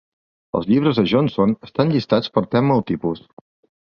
Els llibres de Johnson estan llistats per tema o tipus.